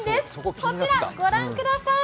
こちら御覧ください。